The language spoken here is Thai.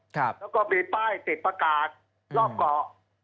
แล้วก็มีป้ายติดประกาศรอบเกาะ